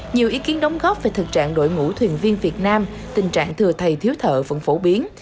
nhiều ý kiến đóng góp về thực trạng đội ngũ thuyền viên việt nam tình trạng thừa thầy thiếu thợ vẫn phổ biến